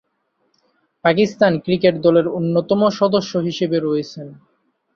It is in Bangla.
পাকিস্তান ক্রিকেট দলের অন্যতম সদস্য হিসেবে রয়েছেন।